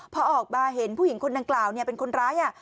พอออกมาเห็นผู้หญิงคนดังกล่าวเป็นคนร้าย